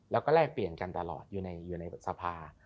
แล้วก็แลกเปลี่ยนกันตลอดอยู่ในสภา